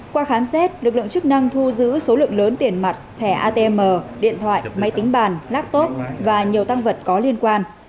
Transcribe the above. qua khám xét lực lượng chức năng thu giữ số lượng lớn tiền mặt thẻ atm điện thoại máy tính bàn laptop và nhiều tăng vật có liên quan